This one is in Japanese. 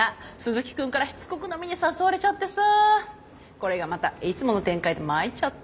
これがまたいつもの展開でまいっちゃって。